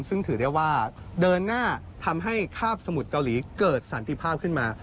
ซึ่งถือได้ว่าเดินหน้าทำให้คาบสมุทรเกาหลีเกิดสันติภาพขึ้นมา